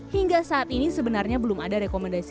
hingga saat ini sebenarnya belum ada rekomendasi